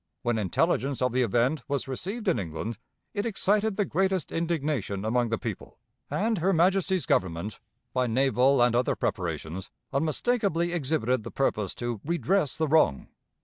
When intelligence of the event was received in England, it excited the greatest indignation among the people; and her Majesty's Government, by naval and other preparations, unmistakably exhibited the purpose to redress the wrong.